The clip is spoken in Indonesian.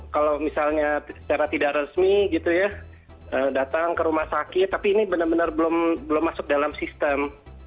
kalau misalnya secara tidak resmi gitu ya datang ke rumah sakit tapi ini benar benar belum masuk dalam sistem